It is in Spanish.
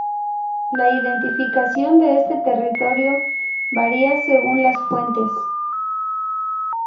La identificación de este territorio varía según las fuentes.